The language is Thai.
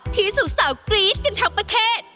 ที่สู่เสาไกรทกันทั้งประเทศ